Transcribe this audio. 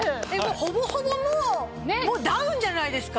ほぼほぼもうダウンじゃないですか。